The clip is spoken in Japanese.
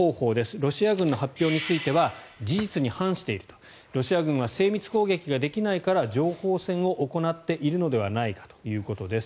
ロシア軍の発表については事実に反しているロシア軍は精密攻撃ができないから情報戦を行っているのではないかということです。